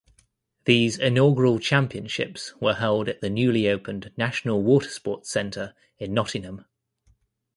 These inaugural Championships were held at the newly opened National Watersports Centre in Nottingham.